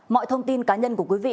mọi thông tin cá nhân của quý vị